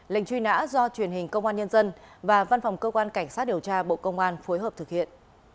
lệnh truy nã do truyền hình công an nhân dân và văn phòng cơ quan cảnh sát điều tra bộ công an phối hợp thực hiện